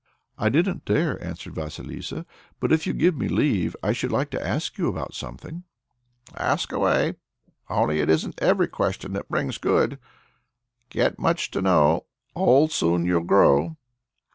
"I didn't dare," answered Vasilissa; "but if you give me leave, I should like to ask you about something." "Ask away; only it isn't every question that brings good. 'Get much to know, and old soon you'll grow.'"